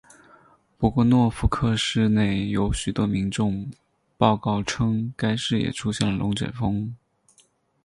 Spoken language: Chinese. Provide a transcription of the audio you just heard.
不过诺福克市内有许多民众报告称该市也出现了龙卷风。